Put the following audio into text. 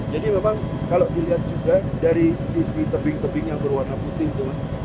jadi memang kalau dilihat juga dari sisi tebing tebing yang berwarna putih itu mas